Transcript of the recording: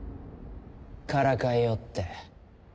からかいおって。